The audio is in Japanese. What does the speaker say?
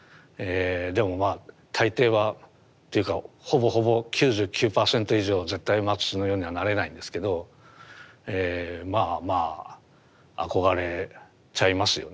でもまあ大抵はというかほぼほぼ９９％以上絶対マティスのようにはなれないんですけどまあまあ憧れちゃいますよね。